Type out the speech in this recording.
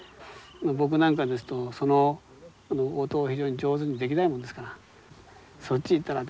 僕なんかですとその音を非常に上手にできないもんですから「そっち行ったら駄目だべ！」